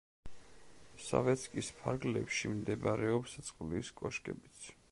სავეცკის ფარგლებში მდებარეობს წყლის კოშკებიც.